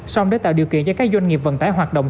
xong để tạo điều kiện cho các doanh nghiệp vận tải hoạt động